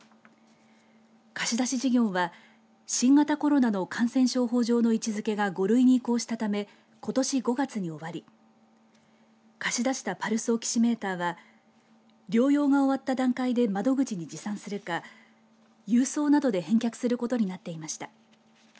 貸し出し事業は新型コロナの感染症法上の位置づけが５類に移行したためことし５月に終わり貸し出したパルスオキシメーターは療養が終わった段階で窓口に持参するか郵送などで返却することになっていました。